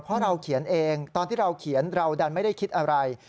เพราะเราเขียนเองตอนที่เราเขียนเราดันไม่ได้คิดอะไร